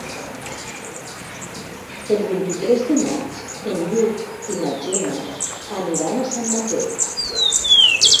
El vint-i-tres de maig en Lluc i na Gemma aniran a Sant Mateu.